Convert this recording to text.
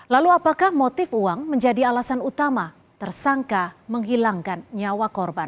lalu apakah motif uang menjadi alasan utama tersangka menghilangkan nyawa korban